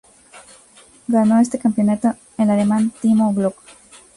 Ganó este campeonato el alemán Timo Glock.